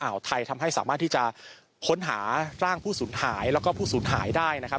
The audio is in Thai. ไทยทำให้สามารถที่จะค้นหาร่างผู้สูญหายแล้วก็ผู้สูญหายได้นะครับ